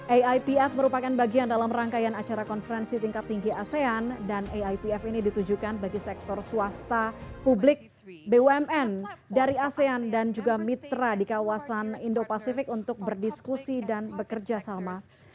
aipf merupakan bagian dalam rangkaian acara konferensi tingkat tinggi asean dan aipf ini ditujukan bagi sektor swasta publik bumn dari asean dan juga mitra di kawasan indo pasifik untuk berdiskusi dan bekerja sama